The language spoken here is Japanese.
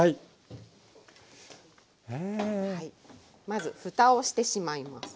まずふたをしてしまいます。